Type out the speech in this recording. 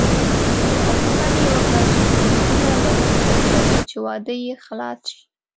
غوښتنه یې وکړه چې بریدونه لږ ودروي چې واده یې خلاص شي.